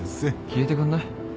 消えてくんない？